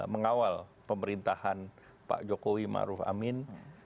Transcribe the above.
mengawal pemerintahan pak jokowi ma'ruf amin dua ribu sembilan belas dua ribu dua puluh empat